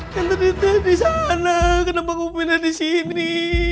kenapa pindah disana kenapa pindah disini